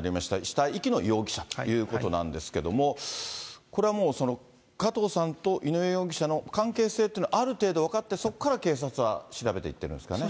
死体遺棄の容疑者ということなんですけれども、これはもう、その加藤さんと井上容疑者の関係性っていうのは、ある程度、分かって、そこから警察は調べていってるんですかね。